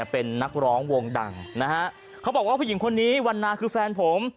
เป็นนักร้องวงดังนะฮะเขาบอกว่าผู้หญิงคนนี้วันนาคือแฟนผม